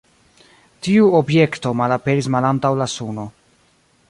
Tiu objekto malaperis malantaŭ la Suno.